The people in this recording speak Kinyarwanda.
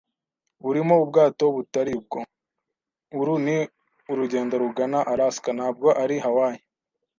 Urimo ubwato butari bwo. Uru ni urugendo rugana Alaska, ntabwo ari Hawaii.